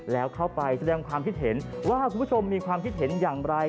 แล้วเข้าไปแสดงความคิดเห็นว่าคุณผู้ชมมีความคิดเห็นอย่างไร